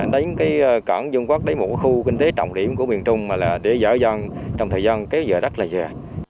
đấy cái cản dân quốc đấy là một khu kinh tế trọng điểm của miền trung mà là để dở dần trong thời gian kéo dở đắt là dở